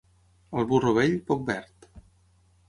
Al burro vell, poc verd.